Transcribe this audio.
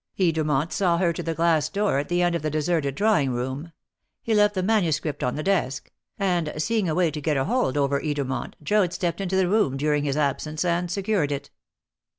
Edermont saw her to the glass door at the end of the deserted drawing room. He left the manuscript on the desk; and, seeing a way to get a hold over Edermont, Joad stepped into the room during his absence and secured it."